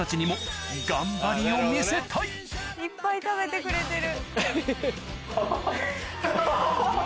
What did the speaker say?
いっぱい食べてくれてる。